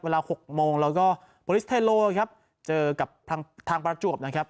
เวลาหกโมงเราก็บอลิสเทโลครับเจอกับทางประจวบนะครับ